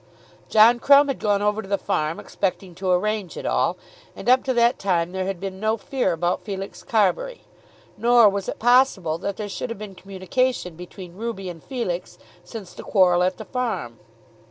John Crumb had gone over to the farm expecting to arrange it all, and up to that time there had been no fear about Felix Carbury. Nor was it possible that there should have been communication between Ruby and Felix since the quarrel at the farm.